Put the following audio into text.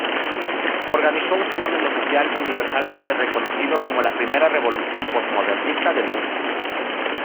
Organizó un fenómeno social universalmente reconocido como la Primera Revolución Postmodernista del Mundo.